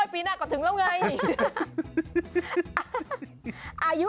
ปีหน้าก็ถึงแล้วไง